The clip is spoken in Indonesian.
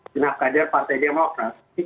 senap kader partai demokratik